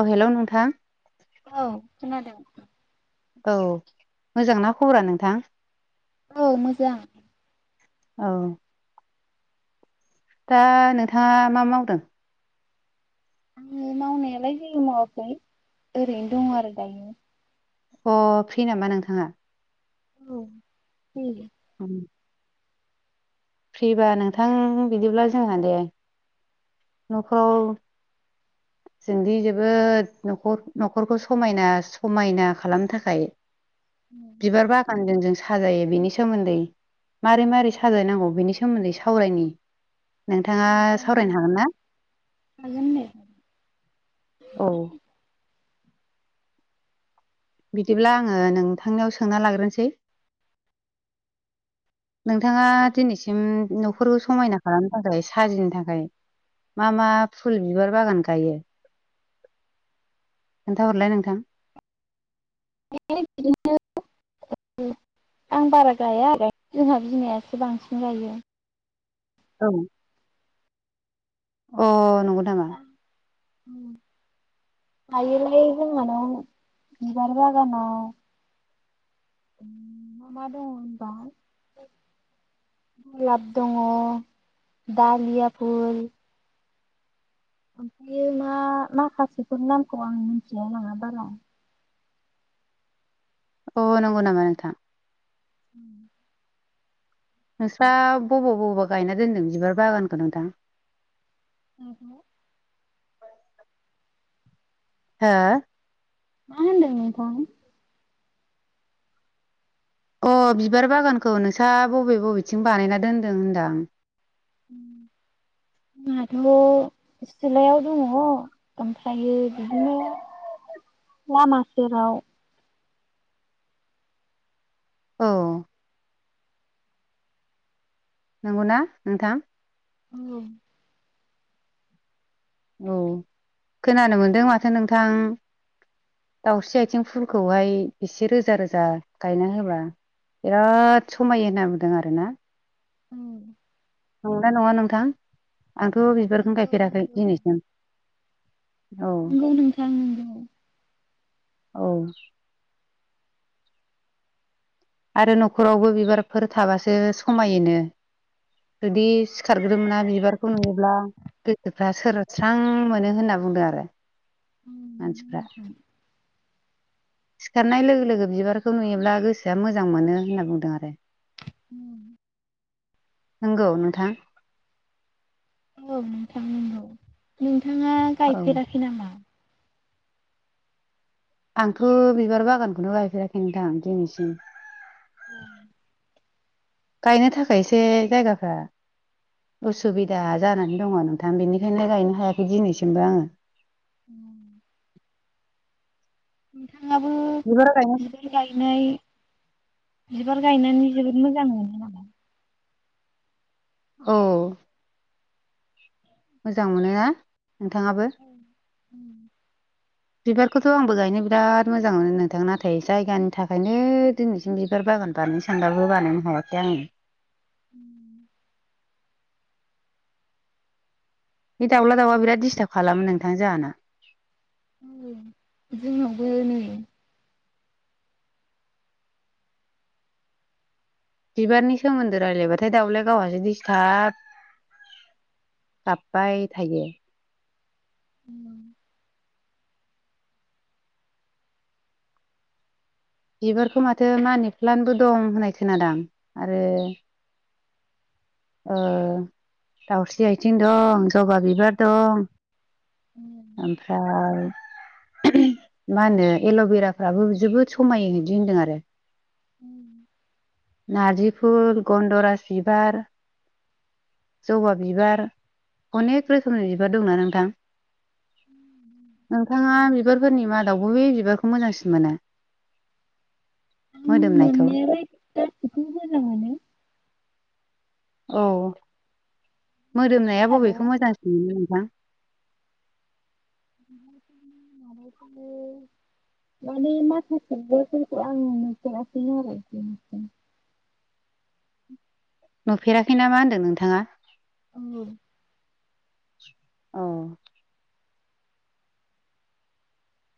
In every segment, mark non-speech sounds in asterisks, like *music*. औ हेल' नोंथां औ खोनादों नोंथां। औ मोजांना खबरा नोंथां? औ मोजां। औ दा नोंथाङा मा मावदों? आङो मावनायालाय जेबो मावाखै ओरैनो दं आरो दायो। अ फ्रि नामा नोंथाङा? औ फ्रि औ हाम फ्रिबा नोंथां बिदिब्ला जोंहा दे न'खौ जोंदि जोबोद न'खर न'खरखौ समायना समायना खालामनो थाखाय बिबार बागानजों जोंस साजायो बेनि सोमोन्दै मारै मारै साजायनांगौ बेनि सोमोन्दै सावरायनि नोंथाङा जागोन दे सावरायनो हागोन ना? हागोन दे औ बिदिब्ला आङो नोंथांनियाव सोंना लाग्रोनोसै नोंथाङा दिनैसिम न' फोरखौ समायना खालामनो थाखाय साजिनो थाखाय मा मा फुल बिबार बागान गायो? खोन्थाहरलाय नोंथां आंलाय बिदिनो उम आं बारा गाया आरो जोंहा बिमायासो बांसिन गायो। औ अ नंगौ नामा? अ थायोलै जोंहानाव बिबार बागानाव ओम मा मा दङ होनबा गलाप दङ दालिया फुल ओमफायो मा माखासेफोर नामखौ आं मिथिलाय लाङा बारा। अ नंगौ नामा नोंथां? उम नोंस्रा बबाव बबा गायना दोन्दों बिबार बागानखौ नोंथां? माखौ? हो मा होनदों नोंथां? अ बिबार बागानखौ नोंसा बबे बबेथिं बानायना दोनदों होनदां? उम जोंहाथ' सिलायाव दङ ओमफ्रायो बिदिनो लामा सेराव अ नंगौना नोंथां? औ औ खोनानो मोनदों माथो नोंथां दाउस्रि आथिं फुलखौहाय एसे रोजा रोजा गायना होबा बिराद समाय होनना बुंदों आरोना। उम। नंगौ ना नोंथां आंथ' बिबारखौ नंगौ गायफेराखै नंगौ दिनैसिम औ नंगौ नोंथां नंगौ। औ। आरो न'खरावबो बिबारफोर थाबासो समायोनो। जुदि सिखारग्रोमोना बिबारखौ नुयोब्ला गोसोफ्रा सोरस्रां मोनो होना बुंदों आरो मानसिफ्रा। नोंथां सिखारनाय लोगो लोगो बिबारखौ नुयोब्ला गोसोआ मोजां मोनो होनना बुंदों आरो। ह। नंगौ नोंथां? औ नोंथां नंगौ नोंथाङा औ गायफेराखै नामा? आंथ' बिबार बागानखौनो गायफेराखै नोंथां दिनैसिम औ। गायनो थाखायसै जायगाफ्रा उसुबिदा जानानै दङ नोंथां बेनिखायनो गायनो हायाखै दिनैसिमबो आङो। उम। नोंथाङाबो बिबार गायनो बिबार गायनाय बिबार गायनानै जोबोद मोजां मोनो ना? औ। मोजां मोनो ना नोंथाङाबो? उम बिबारखौथ' आंबो गायनो बिराद मोजां मोनो नोंथां नाथाय जायगानि थाखायनो दिनैसिम बिबार बा बागान गायनो सानबाबो हायाखै *inaudible* बे दाउला दाउआ बिराद दिडिस्टार्ब खालामो नोंथां जाोंहानाव। औ जोंनावबो नै बिबारनि सोमोन्दो राय्लायबाथाय दाउलाय गावहासो दिस्थार्ब गाबबाय थायो। उम। बिबारखौ माथो मानि प्लान्टबो दं होननाय खोनादों आरो ओ दाउस्रि आथिं दं जबा बिबार दं ओमफ्राय मा होनो एल'भेराफ्राबो जोबोद समाय बिदि होनदों आरो। उम नारजिफुल गन्दराज बिबार जबा बिबार अनेक रोखोमनि बिबार दंना नोंथां? नोंथाङा बिबारफोरनि मादावबो बे बिबारखौ मोजांसिन मोनो? मोदोमनायखौ? गासिबखौबो मोजां मोनो। औ माया मोदोमनाया आरो बबेखौ मोजांसिन मोनो नों? नों *inaudible* माने माथो *unintelligible* दिनैसिम। *inaudible* नुफेराखैना मा होन्दों नोंथाङा? औ। औ।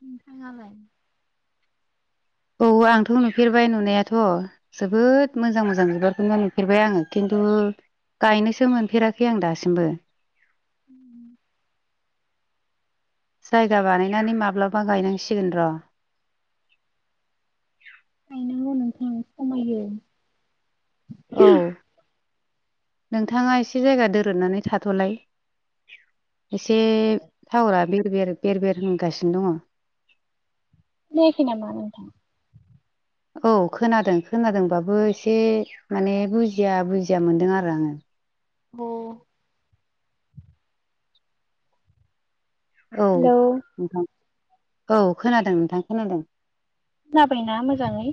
नोंथाङालाय? औ आंथ' नुफेरबाय नुनायाथ' जोबोद मोजां मोजां बिबारखौनो नुफेरबाय आङो खिन्थु गायनोसो मोनफेराखै आं दासिमबो। *unintelligible* जायगा बानायनानै माब्लाबा गायनांसिगोन र'। गायनांगौ नोंथां खमायो औ नोंथाङा एसे जायगा दोरोदनानै थाथ'लाय एसे टावारा बेर बेर बेर बेर होनगासिनो दङ'। खोनायाखै नामा नोंथां? औ खोनादों खोनादोंबाबो एसे माने बुजिया बुजिया मोनदों आरो आङो। अ औ हेलौ नोंथां औ खोनादों नोंथां खोनादों। खोनाबायना मोजाङै?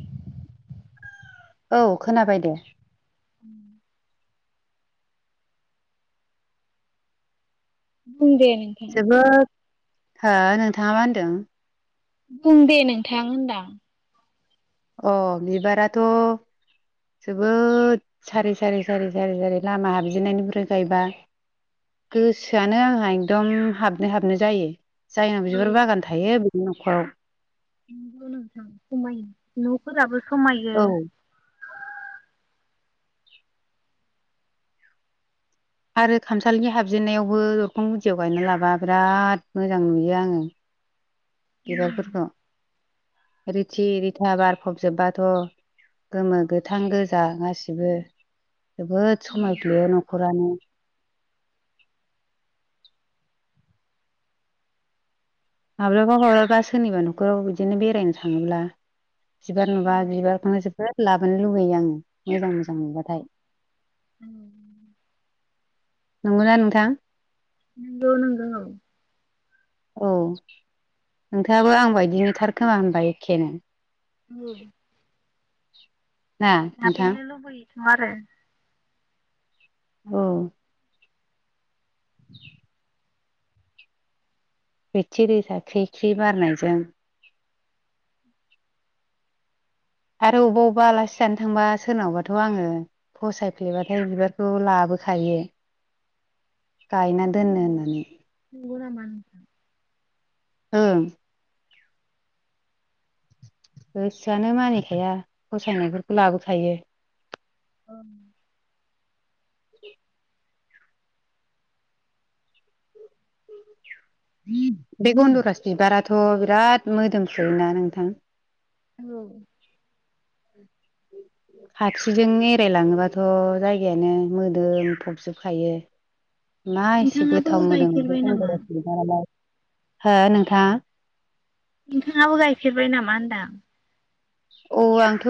औ खोनाबाय दे। उम बुं दे नोंथां जोबोद हो नोंथाङा मा होनदों? बुं दे नोंथां होनदां। अ बिबाराथ' जोबोद सारि सारि सारि सारि सारि लामा हाबजेननायनिफ्राय गायबा गोसोआनो आंहा एकदम हाबनो हाबनो जायो जायनाव औ बिबार बागान थायो बेनि न'खराव। नंगौ नोंथां समायो न'फोराबो समायो। औ आरो खामसालिनि हाबजेननायावबो दरखं गुदियाव गायना लाबा बिराद मोजां नुयो आङो। उम बिबारफोरखौ रिथि रिथा बारफबजोबबाथ' गोमो गोथां गोजा गासिबो जोबोद औ समायफ्लेयो न'खरानो। माब्लाबा माब्लाबा सोरनिबा न'खराव बिदिनो बेरायनो थाङोब्ला बिबार नुबा औ बिबारखौनो जोबोद लाबोनो लुुबैयो आङो मोजां मोजां नुबाथाय। उम नंगौना नोंथां? नंगौ नंगौ। औ नोंथाङाबो आं बायदिनोथार खोमा होनबा एखेनो? उम ना नोंथां हाबहैनो लुबैयोथ' आरो। औ *inaudible* रिथि रिथा ख्रि ख्रि बारनायजों आरो अबेबा अबेबा आलासि जानो थांबा सोरनावबाथ' आङो फसायफ्लेबाथाय बिबारखौबो लाबोखायो। गायना दोननो औ होननानै नंगौ नामा नोंथां? ओं गोसोआनो मानिखाया फसायनायफोरखौ लाबोखायो। ओं *inaudible* बे गन्दरास बिबाराथ' बिराद मोदोमसुयोना नोंथां? औ *inaudible* खाथिजों एरायलाङोबाथ' जायगायानो मोदोम फबजोबखायो *inaudible* मा एसे नोंथाङाबो गोथाव मोनोदों बे गायफेरबाय नामा? गन्दराज बिबारालाय हो नोंथां नोंथाङाबो गायफेरबाय नामा होनदां औ आंथ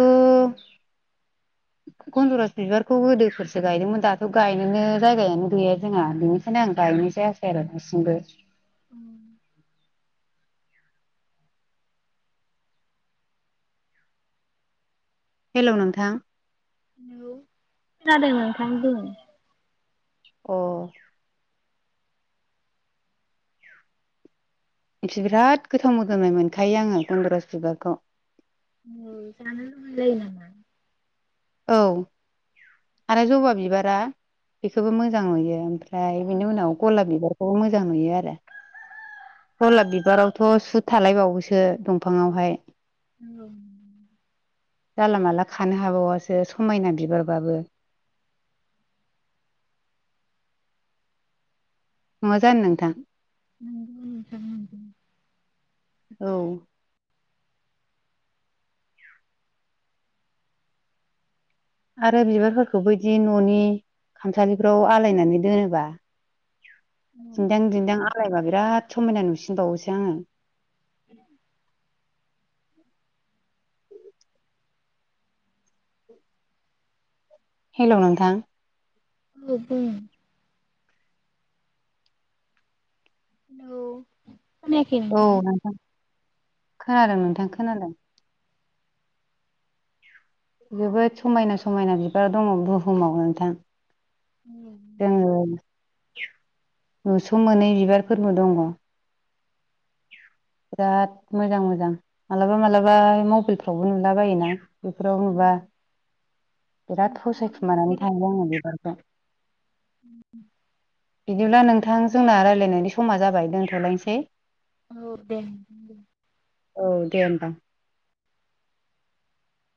गनन्दरस बिबारखौ गोदोफोरसो गायदोंमोन दाथ गायनोनो जायगायानो गैया जोंहा बेनिखायनो आं गाय नय जायासै आरो दासिमबो *unintelligible* हेलौ नोंथां हेलौ खोनादों नोंथां बुं अ बिराद गोथाव मोजोमनाय मोनखायो आंङो गन्दरास बिबारखौ *unintelligible* औ आरो जबा बिबारा बेखौबो मोजां नुयो ओमफ्राय औ बिनि उनाव गलाब बिबारखौबो मोजां नुयो आरो गलाब बिबारावथ सुद थालायबावोसो दंफांङावहाय औ जानला माला खानो हाबावासो समायना बिबारबाबो *unintelligible* नंङा जानो नोंथां नोंगौ नोंथां नंगौ *inaudible* औ आरो बिबारफोरखौबो बिदि न'नि खामसालिफोराव आलायनानै दोनोबा औ दिन्दां दिन्दां आलायमा बिराद समायना नुसिनबावोसो आंङो उम *unintelligible* हेलौ नोंथां *unintelligible* हेलौ औ नोंथां औ खोनादों नोंथां खोनादों जोबोद समायना समायना बिबार दंङ बुहुमाव नोंथां जोंङो मोसौ मोनै बिबारफोरबो दंङ *unintelligible* बिराद मोजां मोजां मालाबा मालाबा मबाइलफ्रावबो नुला बायोना बेफोराव औ नुबा बिराद फसायखुमानानै नोंथाङा थांङायो आङो बेबार *unintelligible* बिदिब्ला नोंथां जोंना रायज्लायनायनि समा जाबाय दोनथ'लायनोसै औ दे औ दे होमबा *inaudible*